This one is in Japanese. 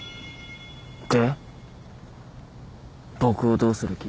僕をどうする気？